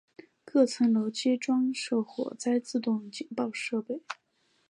各层楼皆装设火灾自动警报设备。